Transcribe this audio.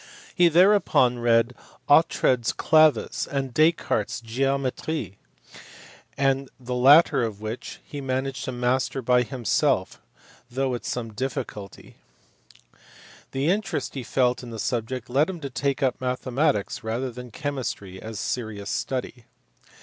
He THE LIFE AND WORKS OF NEWTON. 321 thereupon read Oughtred s Clavis and Descartes s Geometrie, the latter of which he managed to master by himself though with some difficulty. The interest he felt in the subject led him to take up mathematics rather than chemistry as a serious study.